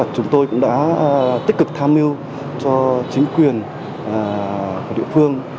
chúng tôi cũng đã tích cực tham mưu cho chính quyền của địa phương